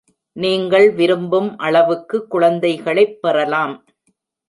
நீங்கள் விரும்பும் அளவுக்கு குழந்தைகளைப் பெறலாம்.